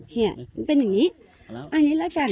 เป็นอย่างนี้อันนี้แล้วกัน